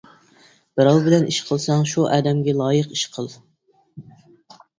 بىراۋ بىلەن ئىش قىلساڭ شۇ ئادەمگە لايىق ئىش قىل.